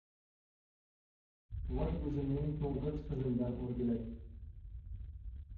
— Voy, o‘zimning to‘ng‘ich qizimdan o‘rgilay!